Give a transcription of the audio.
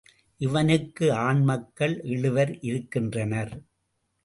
இவனுக்கு ஆண்மக்கள் எழுவர் இருக்கின்றனர்.